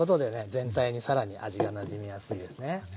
全体にさらに味がなじみやすいですね。